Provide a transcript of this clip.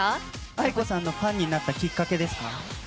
ａｉｋｏさんのファンになったきっかけですか？